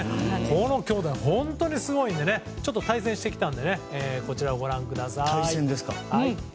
この兄妹、本当にすごいので対戦してきたのでこちらをご覧ください。